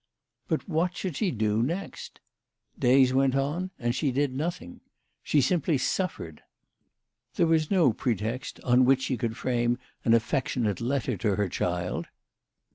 But what should she do next ? Days went on and she did nothing. She simply suffered. There was no pretext on which she could frame an affectionate letter N 178 THE LADY OF LATIN AY. to her child.